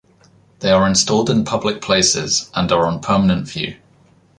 They are installed in public places and are on permanent view.